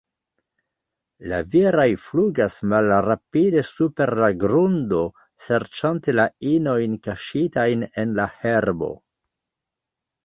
La viraj flugas malrapide super la grundo, serĉante la inojn kaŝitajn en la herbo.